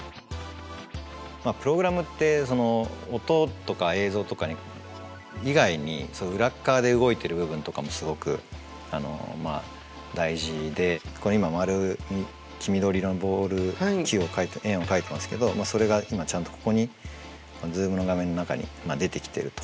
プログラムって音とか映像とか以外に裏っ側で動いてる部分とかもすごく大事でこれ今丸黄緑色のボール球を書いた円を書いてますけどそれが今ちゃんとここにＺｏｏｍの画面の中に出てきてると。